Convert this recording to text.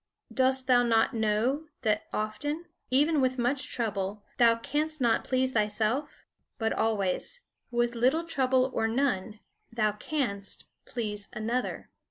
Dost thou not know that often, even with much trouble, thou canst not please thyself? But always, with little trouble or none, thou canst please another.